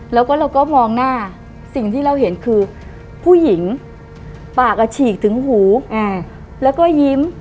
แล้วก็เราก็มองหน้าสิ่งที่เราเห็นคือผู้หญิงปากฉีกถึงหูแล้วก็ยิ้ม